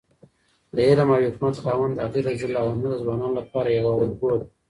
د علم او حکمت خاوند علي رض د ځوانانو لپاره یوه الګو ده.